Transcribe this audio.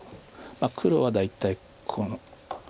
黒は大体この。